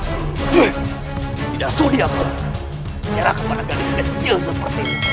tidak sudiak tu menyerah kepada gadis kecil seperti ini